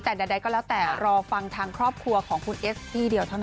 แต่ใดก็แล้วแต่รอฟังทางครอบครัวของคุณเอสซี่เดียวเท่านั้น